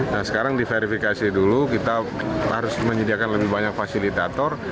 nah sekarang diverifikasi dulu kita harus menyediakan lebih banyak fasilitator